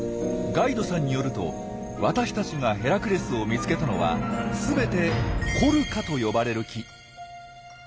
ガイドさんによると私たちがヘラクレスを見つけたのは全て「コルカ」と呼ばれる木。